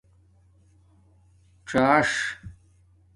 څݳݽ